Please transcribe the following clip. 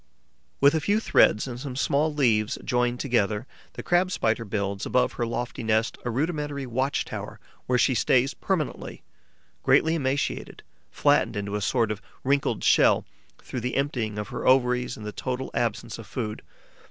With a few threads and some small leaves joined together, the Crab Spider builds, above her lofty nest, a rudimentary watch tower where she stays permanently, greatly emaciated, flattened into a sort of wrinkled shell through the emptying of her ovaries and the total absence of food.